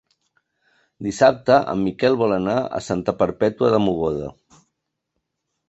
Dissabte en Miquel vol anar a Santa Perpètua de Mogoda.